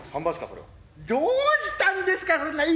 どうしたんですかそんないい服着て。